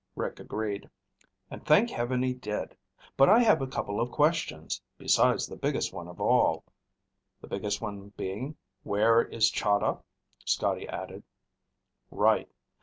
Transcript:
Rick agreed. "And thank heaven he did. But I have a couple of questions, besides the biggest one of all." "The biggest one being: Where is Chahda?" Scotty added. "Right.